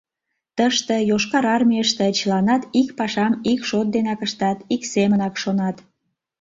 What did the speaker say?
Тыште, Йошкар Армийыште, чыланат ик пашам ик шот денак ыштат, ик семынак шонат.